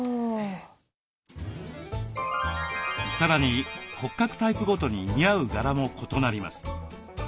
さらに骨格タイプごとに似合う柄も異なります。